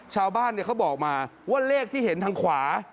ชาวบ้านเขาบอกมาว่าเลขที่เห็นทางขวา๕๗๗